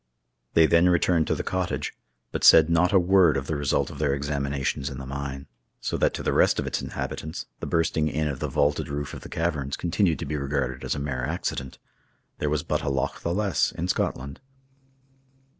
They then returned to the cottage, but said not a word of the result of their examinations in the mine, so that to the rest of its inhabitants, the bursting in of the vaulted roof of the caverns continued to be regarded as a mere accident. There was but a loch the less in Scotland.